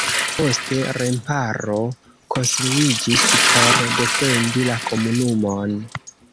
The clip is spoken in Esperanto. Poste remparo konstruiĝis por defendi la komunumon.